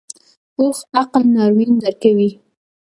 پوخ عقل ناورین درکوي